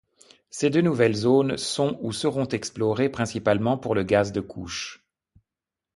Ces deux nouvelles zones sont ou seront explorées principalement pour le gaz de couche.